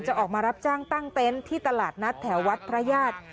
ออกมารับจ้างตั้งเต็นต์ที่ตลาดนัดแถววัดพระญาติ